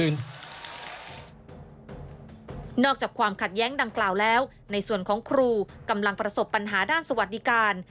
ในส่วนของครูกำลังประสบปัญหาด้านสวัสดิการ